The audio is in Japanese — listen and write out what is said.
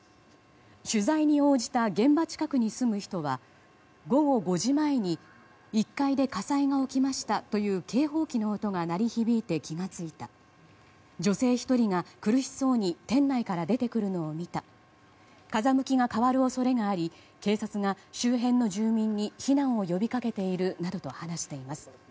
取材に応じた現場近くに住む人は午後５時前に１階で火災が起きましたという警報機の音が鳴り響いて気が付いた女性１人が苦しそうに店内から出てくるのを見た風向きが変わる恐れがあり警察が周辺の住民に避難を呼びかけているなどと話しています。